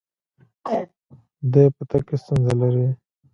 دی په تګ کې ستونزه لري.